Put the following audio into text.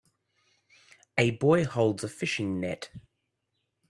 A boy holds a fishing net.